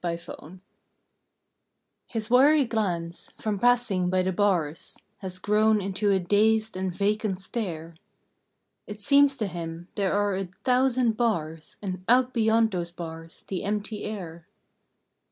THE PANTHER His weary glance, from passing by the bars, Has grown into a dazed and vacant stare; It seems to him there are a thousand bars And out beyond those bars the empty air.